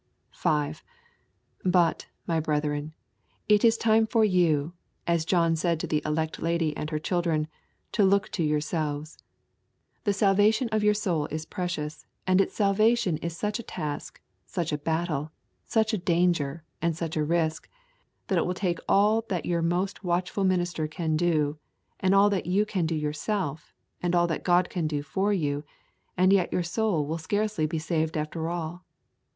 5. But, my brethren, it is time for you, as John said to the elect lady and her children, to look to yourselves. The salvation of your soul is precious, and its salvation is such a task, such a battle, such a danger, and such a risk, that it will take all that your most watchful minister can do, and all that you can do yourself, and all that God can do for you, and yet your soul will scarcely be saved after all.